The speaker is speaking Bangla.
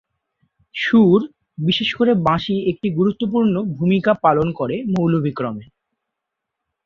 সুর, বিশেষ করে বাঁশি একটি গুরুত্বপূর্ণ ভূমিকা পালন করে মৌলভী ক্রমে।